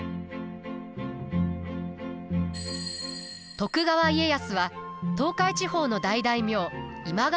徳川家康は東海地方の大大名今川